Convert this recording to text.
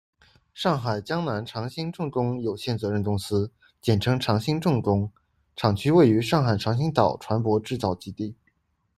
上海江南长兴重工有限责任公司简称长兴重工，厂区位于上海长兴岛船舶制造基地。